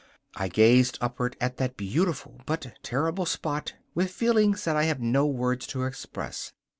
I gazed upward to that beautiful but terrible spot with feelings that I have no words to express.